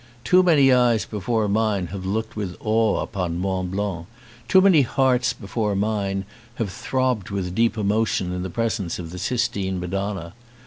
Too many eyes before mine have looked with awe upon Mont Blanc; too many hearts before mine have throbbed with deep emotion in the pres ence of the Sistine Madonna.